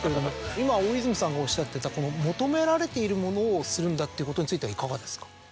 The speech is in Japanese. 今大泉さんがおっしゃってた。をするんだっていうことについてはいかがですか？